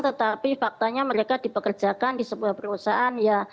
tetapi faktanya mereka dipekerjakan di sebuah perusahaan ya